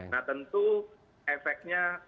nah tentu efeknya